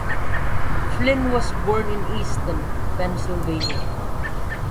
Flynn was born in Easton, Pennsylvania.